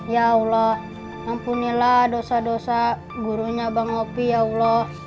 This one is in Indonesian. ya allah ampunilah dosa dosa gurunya bang opi ya allah